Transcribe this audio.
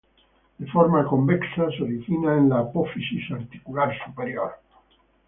De forma convexa, se origina en la apófisis articular superior.